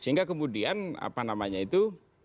sehingga kemudian apa namanya itu